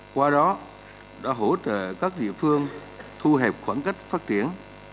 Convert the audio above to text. qua đó đã hỗ trợ các địa phương thu hẹp khoảng cách phát triển